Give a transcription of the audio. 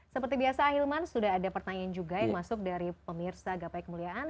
seperti biasa ahilman sudah ada pertanyaan juga yang masuk dari pemirsa gapai kemuliaan